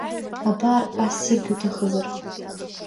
Абар, ассиргьы уҭахызар…